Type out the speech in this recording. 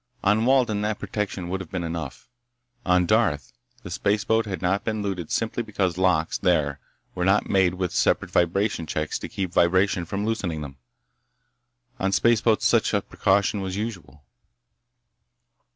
On Walden that protection would have been enough. On Darth, the spaceboat had not been looted simply because locks, there, were not made with separate vibration checks to keep vibration from loosening them. On spaceboats such a precaution was usual.